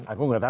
aku gak tahu